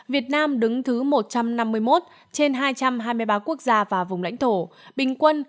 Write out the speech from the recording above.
việt nam đứng thứ một trăm năm mươi một trên hai trăm hai mươi ba quốc gia và vùng lãnh thổ bình quân